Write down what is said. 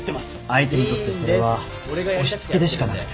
相手にとってそれは押し付けでしかなくて。